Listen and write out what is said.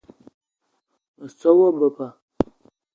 Me so wa beba